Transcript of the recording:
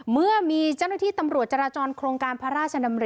เมื่อมีเจ้าหน้าที่ตำรวจจราจร